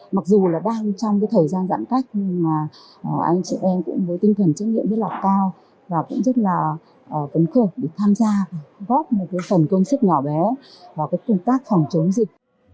mặc dù đang trong thời gian giãn cách nhưng anh chị em cũng với tinh thần trách nhiệm rất là cao và cũng rất là cấn khởi để tham gia